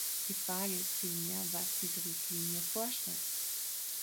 Die Frage ist vielmehr, was diese Richtlinie vorschreibt.